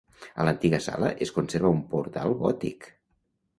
A l'antiga sala es conserva un portal gòtic.